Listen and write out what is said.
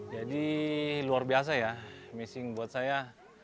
jadi luar biasa ya missing buat saya